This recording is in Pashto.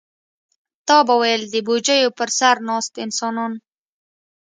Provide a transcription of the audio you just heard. تا به ویل د بوجیو پر سر ناست انسانان.